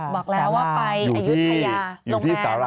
บอกแล้วว่าไปอยู่ที่สาระ๑